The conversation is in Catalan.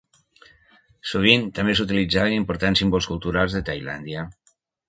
Sovint també s'utilitzaven importants símbols culturals de Tailàndia.